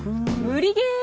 無理ゲー。